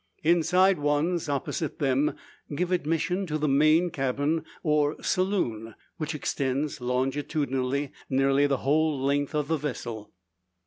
Inside ones, opposite them, give admission to the main cabin, or "saloon;" which extends longitudinally nearly the whole length of the vessel.